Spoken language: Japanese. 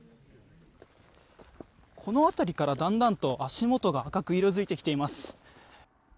この辺りからだんだんと足元が赤く色づいてきています。